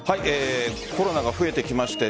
コロナが増えてきました